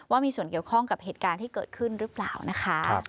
ว่ามีส่วนเกี่ยวข้องกับเหตุการณ์ที่เกิดขึ้นหรือเปล่านะคะ